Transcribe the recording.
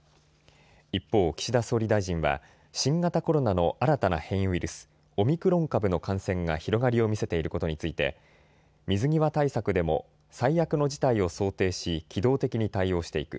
一方、岸田総理大臣は新型コロナの新たな変異ウイルス、オミクロン株の感染が広がりを見せていることについて水際対策でも最悪の事態を想定し機動的に対応していく。